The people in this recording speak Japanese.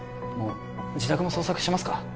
もう自宅も捜索しますか？